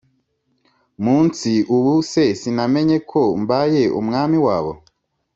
munsi Ubu se sinamenye ko mbaye umwami wabo